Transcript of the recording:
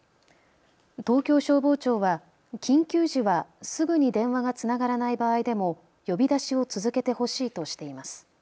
東京消防庁は緊急時はすぐに電話がつながらない場合でも呼び出しを続けてほしいとしています。